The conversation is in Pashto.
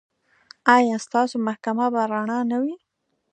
ایا ستاسو محکمه به رڼه نه وي؟